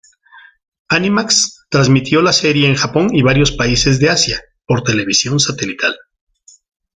Animax transmitió la serie en Japón y varios países de Asia por televisión satelital.